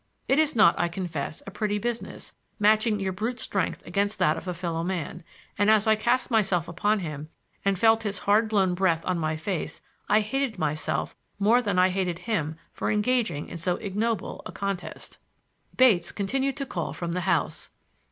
It is not, I confess, a pretty business, matching your brute strength against that of a fellow man, and as I cast myself upon him and felt his hard blown breath on my face, I hated myself more than I hated him for engaging in so ignoble a contest. Bates continued to call from the house.